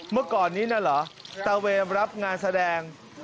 เมื่อก่อนนี้ตะเวรรับงานแสดง